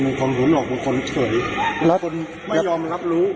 มันคำถามหูตื่นหรอกมันคนเฉยมันคนไม่ยอมรับรู้